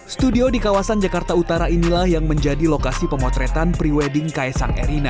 studio di kawasan jakarta utara inilah yang menjadi lokasi pemotretan pre wedding kaisang erina